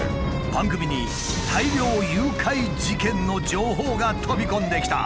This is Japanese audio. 番組に大量誘拐事件の情報が飛び込んできた！